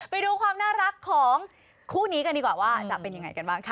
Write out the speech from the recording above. ไปดูความน่ารักของคู่นี้กันดีกว่าว่าจะเป็นยังไงกันบ้างค่ะ